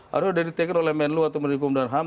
harusnya sudah di taken oleh menlo atau merdikum dan ham